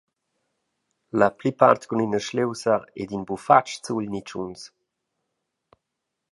La plipart cun ina sliusa ed in bufatg zugl nitschuns.